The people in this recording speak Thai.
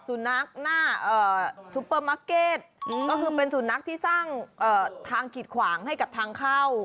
สุนัขหน้าซุปเปอร์มาร์เก็ตก็คือเป็นสุนัขที่สร้างทางกิดขวางให้กับทางเข้า